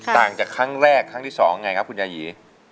ต่างจากครั้งแรกครั้งที่๒ไงครับคุณยายี